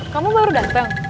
kamu baru dateng